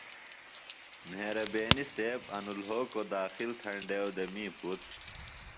مہربینیۡ سیب ـ انوۡ لھوکوۡ داخل تھینڈیوۡ دےۡ می پُتر۔